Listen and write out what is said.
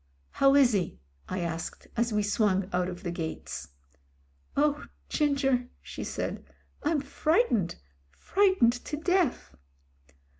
"How is he ?" I asked, as we swung out of the gates. "Oh! Ginger," she said. "I'm frightened — fright ened to death."